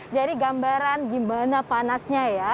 jadi gambaran gimana panasnya ya